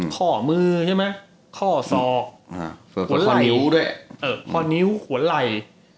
ข้อมือข้อซอข้อนิ้วข้วนไหล